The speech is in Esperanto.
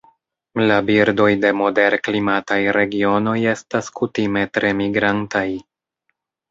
La birdoj de moderklimataj regionoj estas kutime tre migrantaj.